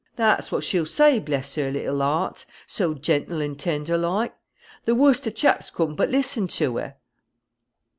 That's what she'll say, bless her little heart! so gentle and tender loike. The wust o' chaps couldn't but listen to her."